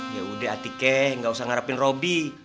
ya udah atike nggak usah ngarapin robi